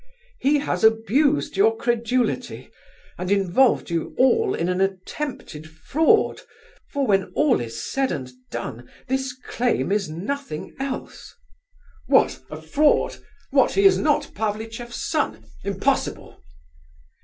He has abused your credulity and involved you all in an attempted fraud, for when all is said and done this claim is nothing else!" "What! a fraud? What, he is not Pavlicheff's son? Impossible!"